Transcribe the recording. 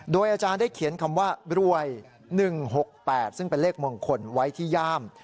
โดยอาจารย์ได้เขียนคำว่ารวย๑๖๘ซึ่งเป็นเลขมงคลไว้ที่ย่าม